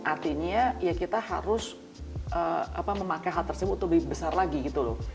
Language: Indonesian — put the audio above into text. artinya ya kita harus memakai hal tersebut untuk lebih besar lagi gitu loh